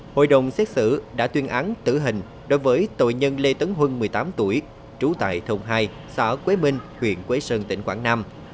hội đồng xét xử đã tuyên án tử hình đối với tội nhân lê tấn huân một mươi tám tuổi trú tại thùng hai xã quế minh huyện quế sơn tỉnh quảng nam